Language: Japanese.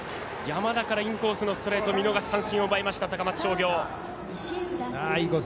山田からインコースのストレート見逃しの三振を奪いました、高松商業。